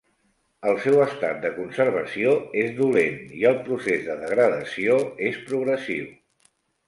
El seu estat de conservació és dolent i el procés de degradació és progressiu.